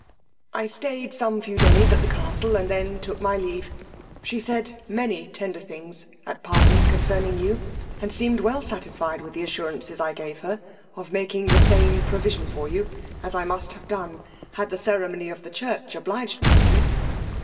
I stayed some few days at the castle, and then took my leave: she said many tender things at parting concerning you, and seemed well satisfied with the assurances I gave her of making the same provision for you, as I must have done had the ceremony of the church obliged me to it.